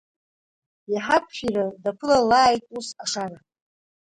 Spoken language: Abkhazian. Иҳақәшәира даԥылалааит ус ашара!